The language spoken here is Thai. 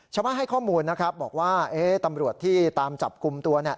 ให้ข้อมูลนะครับบอกว่าเอ๊ะตำรวจที่ตามจับกลุ่มตัวเนี่ย